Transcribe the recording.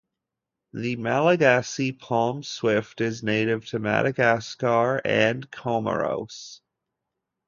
The Malagasy palm swift is native to Madagascar and Comoros.